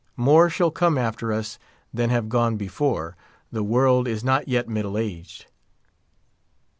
More shall come after us than have gone before; the world is not yet middle aged.